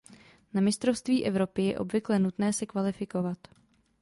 Na mistrovství Evropy je obvykle nutné se kvalifikovat.